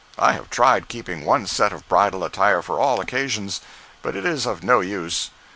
I have tried keeping one set of bridal attire for all occasions. But it is of no use.